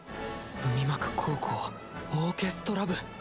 海幕高校オーケストラ部！